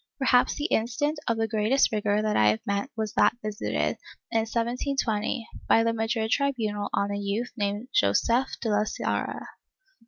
^ Perhaps the instance of greatest rigor that I have met was that visited, in 1720, by the Madrid tribunal on a youth named Joseph de la Sarria.